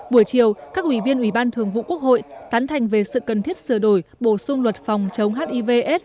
buổi chiều các ủy viên ủy ban thường vụ quốc hội tán thành về sự cần thiết sửa đổi bổ sung luật phòng chống hivs